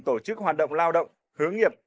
tổ chức hoạt động lao động hướng nghiệp